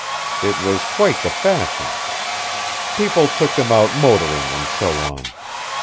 It was quite the fashion. People took them out motoring and so on.